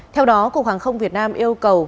theo đó cục hàng không việt nam yêu cầu